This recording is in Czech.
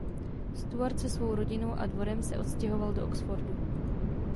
Stuart se svou rodinou a dvorem se odstěhoval do Oxfordu.